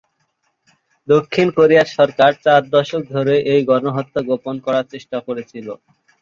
দক্ষিণ কোরিয়া সরকার চার দশক ধরে এই গণহত্যা গোপন করার চেষ্টা করেছিল।